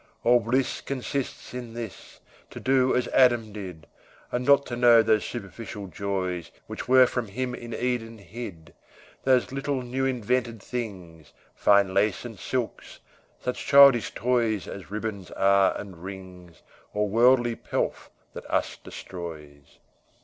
All bliss Consists in this, To do as Adam did, And not to know those superficial joys Which were from him in Eden hid, Those little new invented things, Fine lace and silks, such childish toys As ribands are and rings, Or worldly pelf that us destroys.